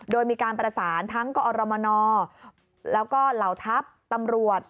โดยมีการประสานทั้งกอรมนแล้วก็เหล่าทัพตำรวจ